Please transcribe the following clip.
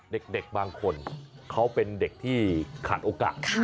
เด็กบางคนเขาเป็นเด็กที่ขาดโอกาส